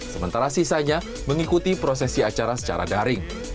sementara sisanya mengikuti prosesi acara secara daring